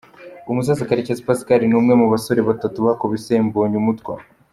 Umusaza Karekezi Pascal ni umwe mu basore batatu bakubise Mbonyumutwa.